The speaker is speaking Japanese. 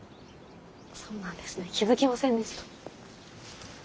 そうなんですね気付きませんでした。